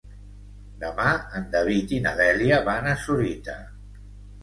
Demà en David i na Dèlia van a Sorita.